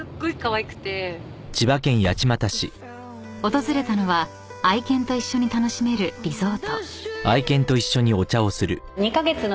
［訪れたのは愛犬と一緒に楽しめるリゾート］